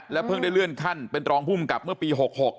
เพิ่งได้เลื่อนขั้นเป็นรองภูมิกับเมื่อปี๖๖